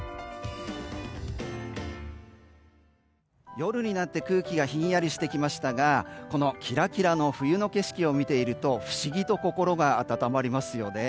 夜になって空気がひんやりしてきましたがこのキラキラの冬の景色を見ていると不思議と心が温まりますよね。